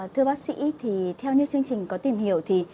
thưa bác sĩ thì theo như chương trình có tìm hiểu thì